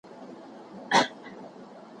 هوغو خلکو ويل .